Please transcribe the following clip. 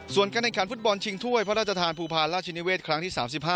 ส่วนการแข่งขันฟุตบอลชิงถ้วยพระราชทานภูพาลราชนิเวศครั้งที่๓๕